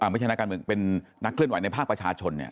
ไม่ใช่นักการเมืองเป็นนักเคลื่อนไหวในภาคประชาชน